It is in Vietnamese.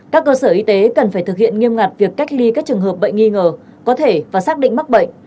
các cơ sở y tế cần phải thực hiện nghiêm ngặt việc cách ly các trường hợp bệnh nghi ngờ có thể và xác định mắc bệnh